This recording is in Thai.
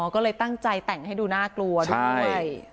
ก็เลยตั้งใจแต่งให้ดูน่ากลัวด้วย